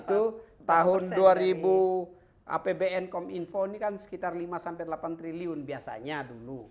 itu tahun dua ribu apbn kominfo ini kan sekitar lima sampai delapan triliun biasanya dulu